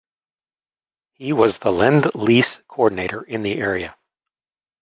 He was the Lend Lease coordinator in the area.